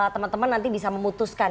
teman teman nanti bisa memutuskan